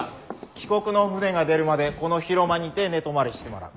帰国の船が出るまでこの広間にて寝泊まりしてもらう。